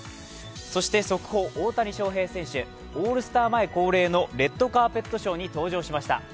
そして速報、大谷翔平選手、オールスター前恒例のレッドカーペットショーに登場しました。